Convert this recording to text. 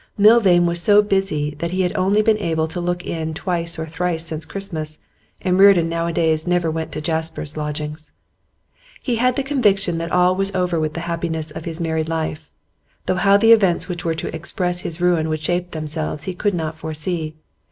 Milvain was so busy that he had only been able to look in twice or thrice since Christmas, and Reardon nowadays never went to Jasper's lodgings. He had the conviction that all was over with the happiness of his married life, though how the events which were to express this ruin would shape themselves he could not foresee.